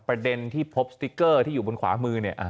ประเด็นที่พบสติ๊กเกอร์ที่อยู่บนขวามือเนี่ย